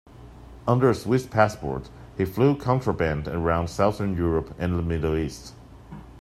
Under a Swiss passport, he flew contraband around Southern Europe and the Middle East.